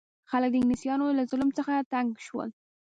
خلک د انګلیسانو له ظلم څخه تنګ شول.